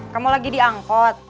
kamu lagi di angkot